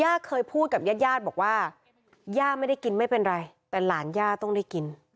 เธอเคยพูดกับแยศว่าย่ากินไม่เป็นไรแต่หลานจะต้องได้กิน